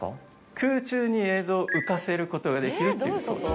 空中に映像を浮かせることができるという装置です。